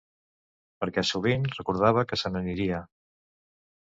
Perquè sovint recordava que se n'aniria.